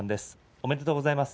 おめでとうございます。